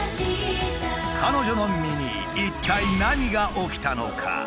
彼女の身に一体何が起きたのか？